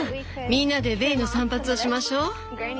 みんなでベイの散髪をしましょ。